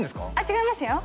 違いますよ